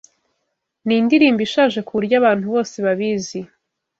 Nindirimbo ishaje kuburyo abantu bose babizi.